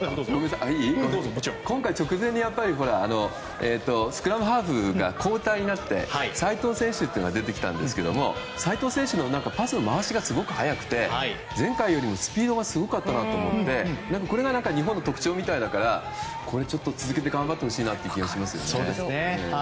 今回直前にスクラムハーフが交代になって齋藤選手が出てきたんですが齋藤選手のパス回しがすごい速くて前回よりもスピードがすごかったと思ってこれが日本の特徴みたいだから続けて頑張ってほしいですね。